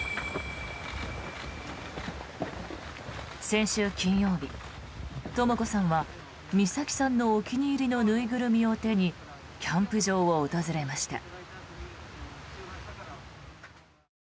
先週金曜日、とも子さんは美咲さんのお気に入りの縫いぐるみを手にキャンプ場を訪れました。